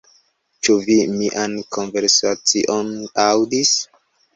Ĉu vi mian konversacion aŭdis?